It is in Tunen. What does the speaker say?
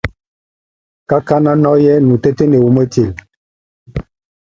Má sak nɔ́ye menyama só ŋo nuiyi bɔ́ŋɔ nʼ onya nɔ́ye ba ŋobal unúŋek.